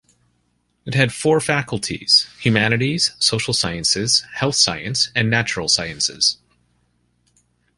It had four faculties: Humanities, Social Sciences, Health Science and Natural Sciences.